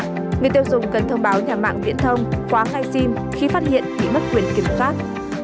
người tiêu dùng cần thông báo nhà mạng viễn thông khóa ngay sim khi phát hiện bị mất quyền kiểm pháp